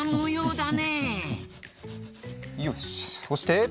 そして。